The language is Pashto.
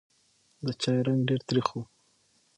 د چای رنګ ډېر تریخ و.